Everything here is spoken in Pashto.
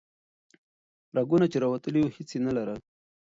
رګونه چې راوتلي وو هیڅ یې نه لرل.